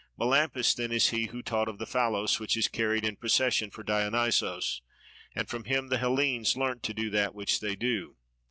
Melampus then is he who taught of the phallos which is carried in procession for Dionysos, and from him the Hellenes learnt to do that which they do.